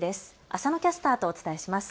浅野キャスターとお伝えします。